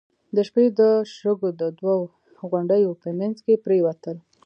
د شپې د شګو د دوو غونډيو په مينځ کې پرېوتل.